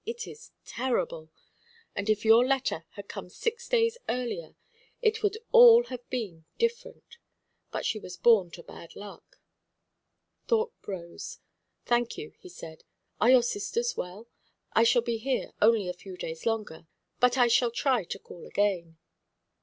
It is terrible! And if your letter had come six days earlier, it would all have been different. But she was born to bad luck." Thorpe rose. "Thank you," he said. "Are your sisters well? I shall be here only a few days longer, but I shall try to call again."